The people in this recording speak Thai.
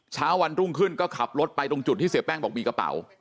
เช้าวันรุ่งขึ้นก็ขับรถไปตรงจุดที่เสียแป้งบอกมีกระเป๋า